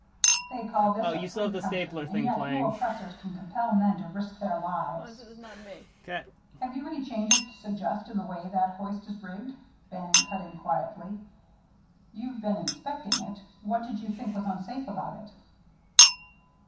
"They call this a free country, and yet you oppressors can compel men to risk their lives " "Have you any changes to suggest in the way that hoist is rigged?" Bannon cut in quietly. "You've been inspecting it. What did you think was unsafe about it?"